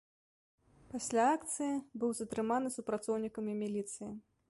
Пасля акцыі быў затрыманы супрацоўнікамі міліцыі.